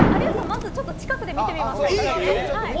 まず近くで見てみますか。